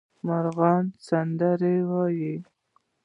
مرغان سندرې وايي